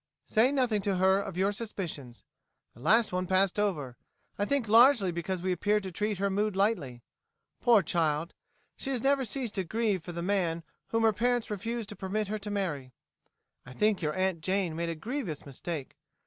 "Say nothing to her of your suspicions. The last one passed over, I think largely because we appeared to treat her mood lightly. Poor child, she has never ceased to grieve for the man whom her parents refused to permit her to marry. I think your Aunt Jane made a grievous mistake.